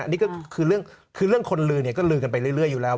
นี่ก็คือเรื่องคนลือเนี่ยก็ลือกันไปเรื่อยอยู่แล้ว